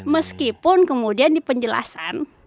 meskipun kemudian di penjelasan